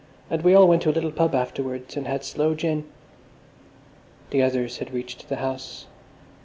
And we all went to a little pub afterwards and had sloe gin." The others had reached the house.